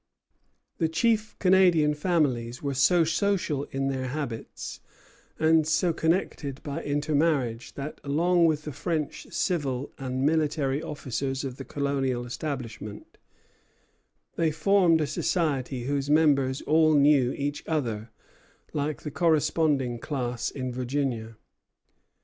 The chief Canadian families were so social in their habits and so connected by intermarriage that, along with the French civil and military officers of the colonial establishment, they formed a society whose members all knew each other, like the corresponding class in Virginia.